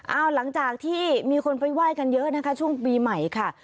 เอาหลังจากที่มีคนไปไหว้กันเยอะนะคะช่วงปีใหม่ค่ะ